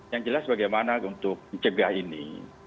yang jelas bagaimana untuk mencegah ini